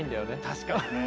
確かにね。